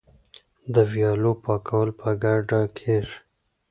د ویالو پاکول په ګډه کیږي.